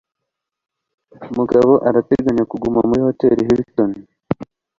Mugabo arateganya kuguma muri Hoteli Hilton.